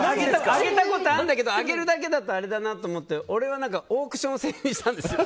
あげたことはあるけどあげるだけだとあれだなと思って俺はオークション制にしたんです。